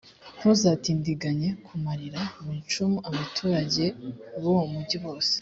ntuzatindiganye kumarira ku icumu abaturage b’uwo mugi bose,